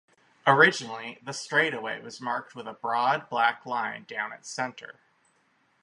Originally, the straightaway was marked with a broad black line down its center.